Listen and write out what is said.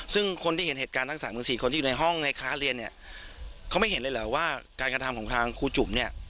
ซึ่งคนที่เห็นเหตุการณ์ทั้งสามถึงสี่คนที่อยู่ในห้องไงค้าเรียนเนี่ยเขาไม่เห็นเลยเหรอว่าการกระทำของทางครูจุ๋มเนี่ย